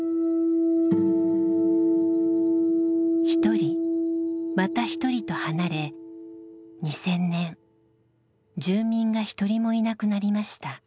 一人また一人と離れ２０００年住民が一人もいなくなりました。